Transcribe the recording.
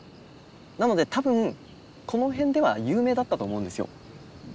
なので多分この辺では有名だったと思うんですよ。